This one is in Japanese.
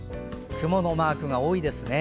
雲のマークが多いですね。